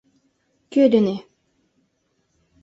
— Кӧ дене?..